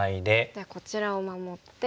じゃあこちらを守って。